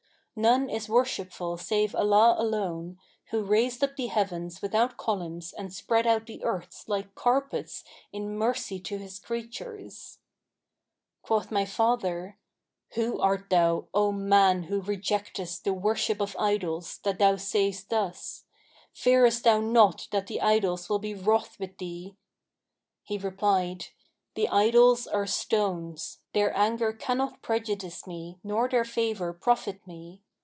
None is worshipful save Allah alone, who raised up the heavens without columns and spread out the earths like carpets in mercy to His creatures.'[FN#519] Quoth my father, 'Who art thou, O man who rejectest the worship of idols, that thou sayst thus? Fearest thou not that the idols will be wroth with thee?' He replied, 'The idols are stones; their anger cannot prejudice me nor their favour profit me.